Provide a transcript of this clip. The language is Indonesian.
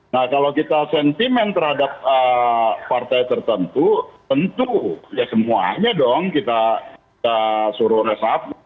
nah kalau kita sentimen terhadap partai tertentu tentu ya semuanya dong kita suruh resape